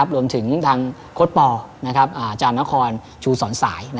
รวมถึงทางโค้ดปออาจารย์นครชูสอนสาย